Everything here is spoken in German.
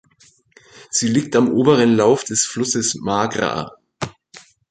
Sie liegt am oberen Lauf des Flusses Magra.